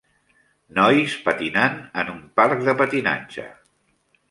Nois patinant en un parc de patinatge.